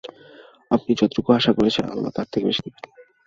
আপনি যতটুকু আশা করছেন, আল্লাহ তার থেকে বেশি দিবেন।